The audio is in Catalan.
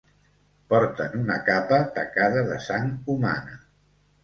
Porten una capa tacada de sang humana.